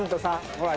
ほら。